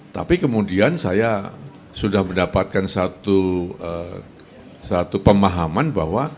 tapi kemudian saya sudah mendapatkan satu pemahaman bahwa